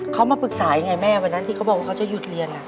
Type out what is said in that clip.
เขามาปรึกษายังไงแม่วันนั้นที่เขาบอกว่าเขาจะหยุดเรียน